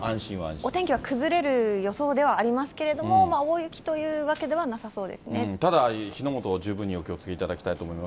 お天気は崩れる予想ではありますけれども、大雪というわけでただ、火の元に十分にお気をつけいただきたいと思います。